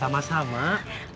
terima kasih sama sama